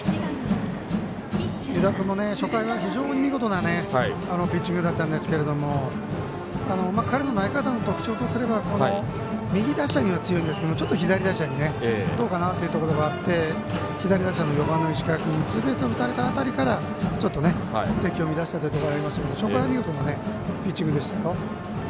湯田君、初回は見事なピッチングだったんですが彼の投げ方の特徴とすれば右打者には強いんですけどちょっと左打者に打とうかなということもあって左打者の４番の石川君にツーベースを打たれた辺りからちょっと制球を乱したところがありましたけど初回は見事なピッチングでした。